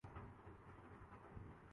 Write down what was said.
گھستا ہے جبیں خاک پہ دریا مرے آگے